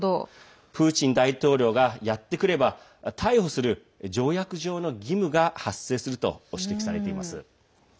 プーチン大統領がやってくれば逮捕する条約上の義務が発生すると指摘されています。